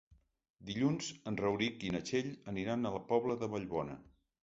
Dilluns en Rauric i na Txell aniran a la Pobla de Vallbona.